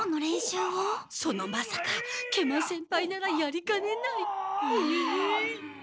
そのまさか食満先輩ならやりかねない。